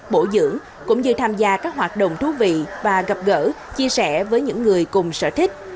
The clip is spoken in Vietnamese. bổ dưỡng cũng như tham gia các hoạt động thú vị và gặp gỡ chia sẻ với những người cùng sở thích